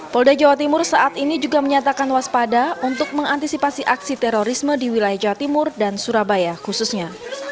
polda jawa timur saat ini juga menyatakan waspada untuk mengantisipasi aksi terorisme di wilayah jawa timur dan surabaya khususnya